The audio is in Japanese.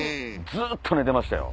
ずっと寝てましたよ。